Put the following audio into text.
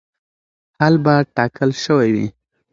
حل به ټاکل شوی وي.